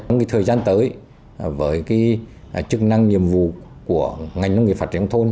trong thời gian tới với chức năng nhiệm vụ của ngành nông nghiệp phát triển thôn